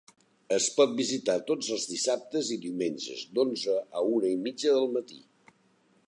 Es pot visitar tots els dissabtes i diumenges d'onze a una i mitja del matí.